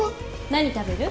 何食べる？